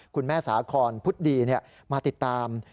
คุณแม่สาคอนพุทธดีมาติดตาม